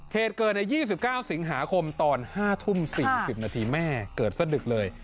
เหตุเกิดใน๒๙สิงหาคมตอน๕ทุ่ม๔๐นาทีแม่เกิดสะดึกเลย